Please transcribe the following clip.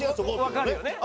わかるよね？